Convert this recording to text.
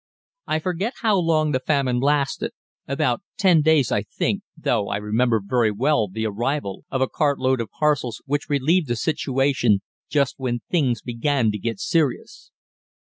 I forget how long the famine lasted about ten days, I think, though I remember very well the arrival of a cartload of parcels which relieved the situation just when things began to get serious.